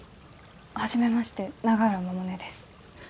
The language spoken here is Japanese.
初めまして永浦百音です。